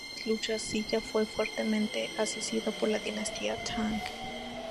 En estas luchas, Silla fue fuertemente asistido por la Dinastía Tang.